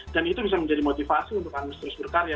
dan itu bisa menjadi motivasi untuk unmesh terus berkarya